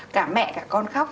cả mẹ cả con khóc